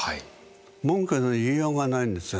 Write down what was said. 文句の言いようがないんですよ